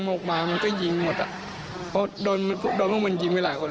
กมามันก็ยิงหมดอ่ะเพราะโดนมันพวกโดนพวกมันยิงไปหลายคน